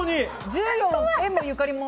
１４って縁もゆかりも。